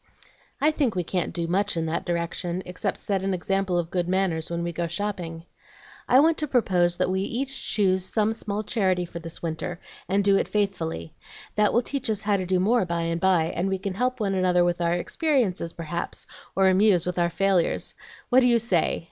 "I think we can't do MUCH in that direction, except set an example of good manners when we go shopping. I wanted to propose that we each choose some small charity for this winter, and do it faithfully. That will teach us how to do more by and by, and we can help one another with our experiences, perhaps, or amuse with our failures. What do you say?"